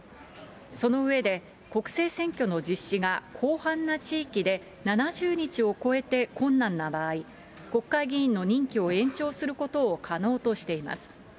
その上で、国政選挙の実際が広範な地域で７０日を超えて困難な場合、国会議員の任期を延長することを可能としています。